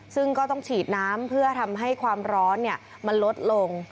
ซึ่งก็ต้องฉีดน้ำเพื่อทำให้ความร้อนมันลดลง